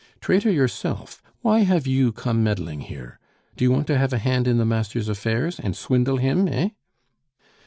"Traitor yourself! Why have you come meddling here? Do you want to have a hand in the master's affairs, and swindle him, eh?"